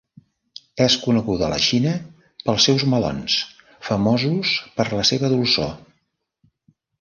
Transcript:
És coneguda a la Xina pels seus melons, famosos per la seva dolçor.